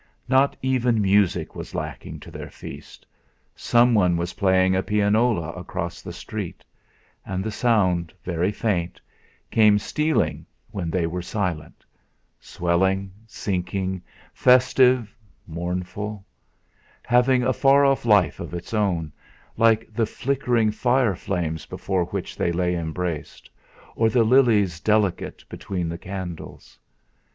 Not even music was lacking to their feast. Someone was playing a pianola across the street, and the sound, very faint, came stealing when they were silent swelling, sinking, festive, mournful; having a far off life of its own, like the flickering fire flames before which they lay embraced, or the lilies delicate between the candles.